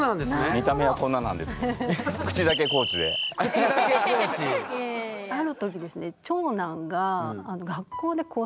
見た目はこんななんですけどある時ですね